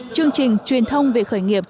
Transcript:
chương trình truyền thông về khởi nghiệp